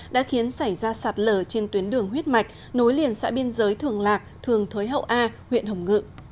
đã khiến xảy ra sạt lở trên tuyến đường huyết mạch nối liền xã biên giới thường lạc thường thới hậu a huyện hồng ngự